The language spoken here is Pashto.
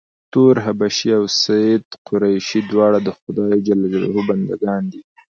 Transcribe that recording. تور حبشي او سید قریشي دواړه د خدای ج بنده ګان دي.